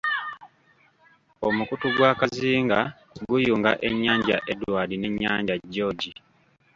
Omukutu gwa Kazinga guyunga ennyanja Edward n'ennyanja George.